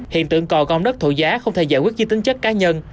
hiện tượng cò còn đất thổ giá không thể giải quyết như tính chất cá nhân